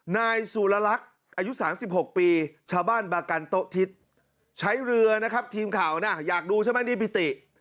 นายสุรลักษณ์อายุ๓๖ปีชาวบ้านบากันโต๊ะทิศใช้เรือนะครับทีมข่าวนะอยากดูใช่ไหมนี่ปิติ